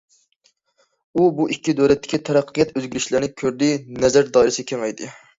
ئۇ، بۇ ئىككى دۆلەتتىكى تەرەققىيات، ئۆزگىرىشلەرنى كۆردى، نەزەر دائىرىسى كېڭەيدى.